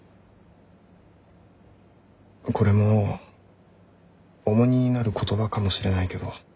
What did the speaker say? これも重荷になる言葉かもしれないけど。